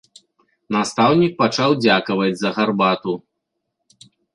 Настаўнік пачаў дзякаваць за гарбату.